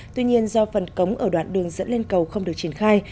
tuy nhiên do phần cống ở đoạn đường dẫn lên cầu không được triển khai